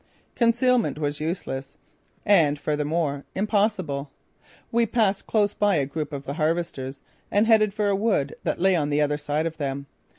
Concealment was useless and, furthermore, impossible. We passed close by a group of the harvesters and headed for a wood that lay on the other side of them.